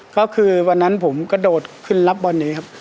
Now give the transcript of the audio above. ก็คือวันนั้นผมกระโดดขึ้นรับบอลอย่างนี้ครับ